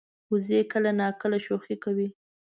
وزې کله ناکله شوخي کوي